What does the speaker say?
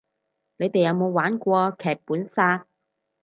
你哋有冇玩過劇本殺